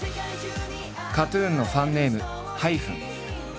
ＫＡＴ−ＴＵＮのファンネーム「ｈｙｐｈｅｎ」。